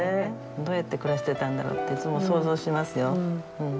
どうやって暮らしてたんだろうっていつも想像しますよ。